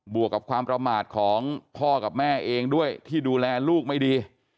วกกับความประมาทของพ่อกับแม่เองด้วยที่ดูแลลูกไม่ดี